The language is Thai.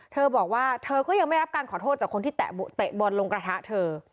เธอบอกว่าเธอก็ยังไม่ได้รับการขอโทษจากคนที่เตะบอลลงกระทะเธอ